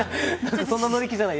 そんな乗り気じゃない？